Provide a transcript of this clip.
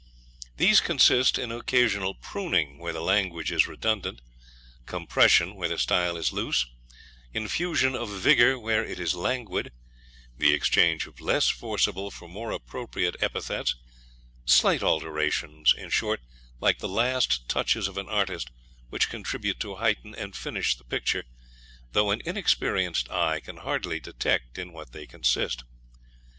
These consist in occasional pruning where the language is redundant, compression where the style is loose, infusion of vigour where it is languid, the exchange of less forcible for more appropriate epithets slight alterations in short, like the last touches of an artist, which contribute to heighten and finish the picture, though an inexperienced eye can hardly detect in what they consist.